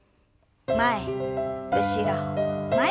前後ろ前。